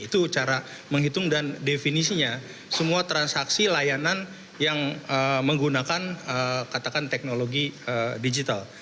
itu cara menghitung dan definisinya semua transaksi layanan yang menggunakan katakan teknologi digital